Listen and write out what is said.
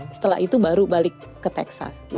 setelah itu baru balik ke texas